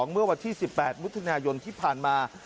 เมื่อวันที่๑๘มิถุนายนที่ผ่านมา